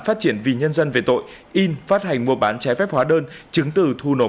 phát triển vì nhân dân về tội in phát hành